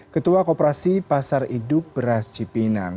ketua kooperasi pasar induk beras cipinang